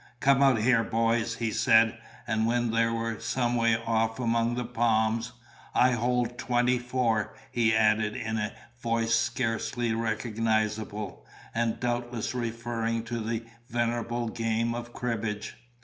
"Come out here, boys," he said; and when they were some way off among the palms, "I hold twenty four," he added in a voice scarcely recognizable, and doubtless referring to the venerable game of cribbage.